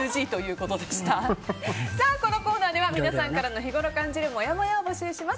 このコーナーでは皆さんから日ごろ感じるもやもやを募集します。